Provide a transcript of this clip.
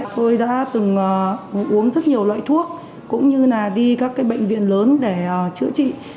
tôi đã từng uống rất nhiều loại thuốc cũng như là đi các bệnh viện lớn để chữa trị